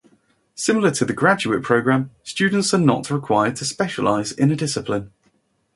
Similar to the graduate program, students are not required to specialize in a discipline.